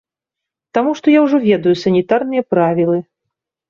Таму што я ўжо ведаю санітарныя правілы.